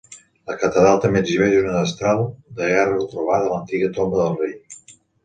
La catedral també exhibeix una destral de guerra trobada a l'antiga tomba del rei.